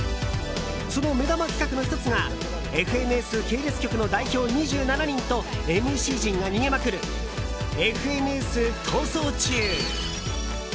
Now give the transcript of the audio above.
その目玉企画の１つがＦＮＳ系列局の代表２７人とＭＣ陣が逃げまくるＦＮＳ逃走中！